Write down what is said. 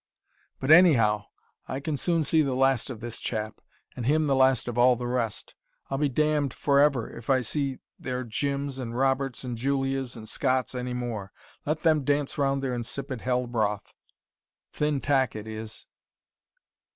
"But anyhow I can soon see the last of this chap: and him the last of all the rest. I'll be damned for ever if I see their Jims and Roberts and Julias and Scotts any more. Let them dance round their insipid hell broth. Thin tack it is.